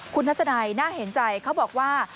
คุณทัศนัยน่าเห็นใจเขาบอกว่า